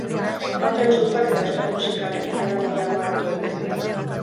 Aurten surfak eta euskal musikak indar handiagoa hartu dute.